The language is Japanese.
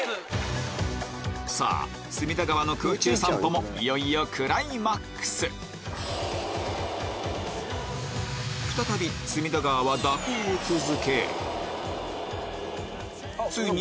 さぁ隅田川の空中散歩もいよいよクライマックス再び隅田川は蛇行を続け